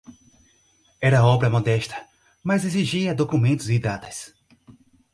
era obra modesta, mas exigia documentos e datas